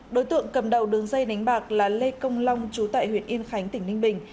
đối tượng cầm đầu đường dây đánh bạc là lê công long chú tại huyện yên khánh tỉnh ninh bình